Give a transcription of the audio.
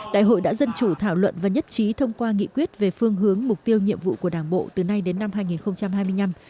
đại hội đã dân chủ thảo luận và nhất trí thông qua nghị quyết về phương hướng mục tiêu nhiệm vụ của đảng bộ từ nay đến năm hai nghìn hai mươi năm